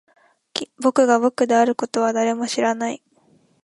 僕が僕であることは誰も知らない